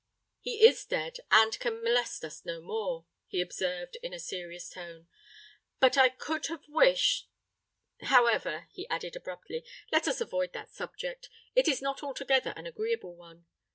"He is dead—and can molest us no more," he observed, in a serious tone. "But I could have wished——However," he added, abruptly, "let us avoid that subject: it is not altogether an agreeable one.